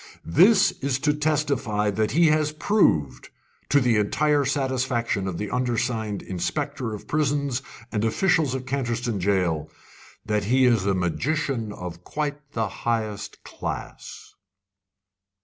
This is to testify that he has proved, to the entire satisfaction of the undersigned inspector of prisons and officials of Canterstone Jail, that he is a magician of quite the highest class."